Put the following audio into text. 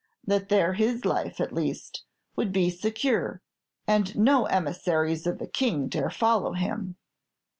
That there his life, at least, would be secure, and no emissaries of the King dare follow him.